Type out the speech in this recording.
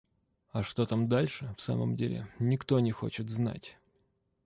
А что там дальше в самом деле, никто не хочет знать.